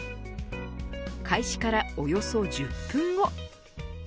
開始からおよそ１０分後。